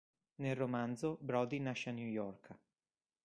Nel romanzo, Brody nasce a New York.